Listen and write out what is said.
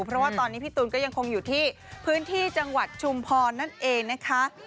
เพราะว่าตอนนี้พี่ตูนก็ยังคงอยู่ที่พื้นที่จังหวัดชุมพรนั่นเองนะคะ